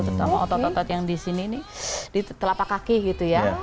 terutama otot otot yang di sini ini di telapak kaki gitu ya